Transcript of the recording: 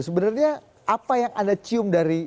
sebenarnya apa yang anda cium dari